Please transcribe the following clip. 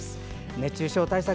熱中症対策